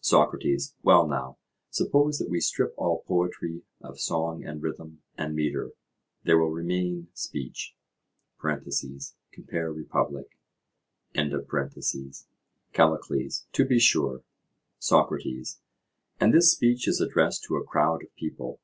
SOCRATES: Well now, suppose that we strip all poetry of song and rhythm and metre, there will remain speech? (Compare Republic.) CALLICLES: To be sure. SOCRATES: And this speech is addressed to a crowd of people?